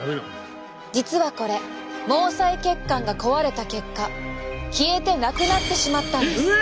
実はこれ毛細血管が壊れた結果消えてなくなってしまったんです！